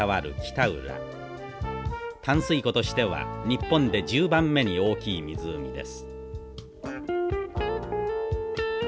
淡水湖としては日本で１０番目に大きい湖です。